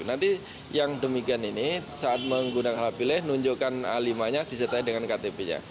nanti yang demikian ini saat menggunakan hak pilih nunjukkan a lima nya disertai dengan ktp nya